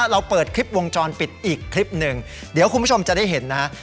เราเปิดคลิปวงจรปิดอีกคลิปหนึ่งเดี๋ยวคุณผู้ชมจะได้เห็นนะฮะ